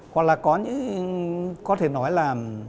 hoặc là có những có thể nói là